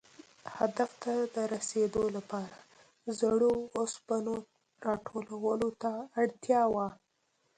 هدف ته رسېدو لپاره زړو اوسپنو را ټولولو ته اړتیا وه.